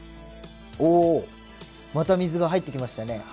おおまた水が入ってきましたね。